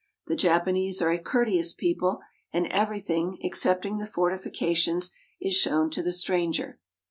The Japanese are a courteous people, and every thing, excepting the fortifications, is shown to the stranger.